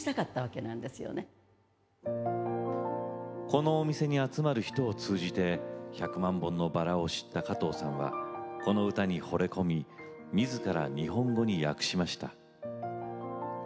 このお店に集まる人を通じて「百万本のバラ」を知った加藤さんは、この歌にほれ込みみずから日本語に訳しました。